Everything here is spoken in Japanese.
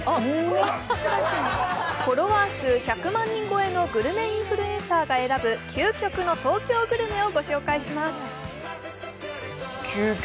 フォロワー数１００万人超えのグルメインフルエンサーがが選ぶ究極の東京グルメを紹介します。